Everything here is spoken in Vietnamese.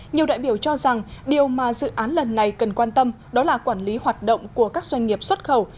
nhiều đại biểu cho rằng điều mà dự án lần này cần quan tâm đó là quản lý hoạt động của các doanh nghiệp xuất khẩu